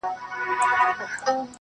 رشتيا خبري يا مست کوي، يا لېونى.